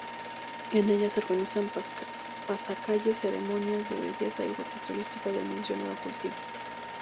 En ella, se organizan pasacalles, ceremonias de belleza y rutas turísticas del mencionado cultivo.